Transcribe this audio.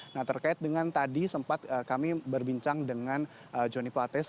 nah terkait dengan tadi sempat kami berbincang dengan johnny plates